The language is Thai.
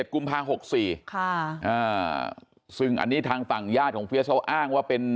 กุมภา๖๔ซึ่งอันนี้ทางฝั่งญาติของเฟียสเขาอ้างว่าเป็น